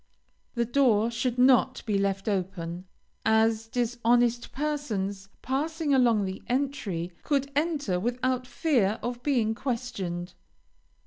The door should not be left open, as dishonest persons, passing along the entry, could enter without fear of being questioned.